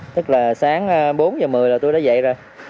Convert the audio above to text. tức là sáng bốn h một mươi là tôi đã dậy rồi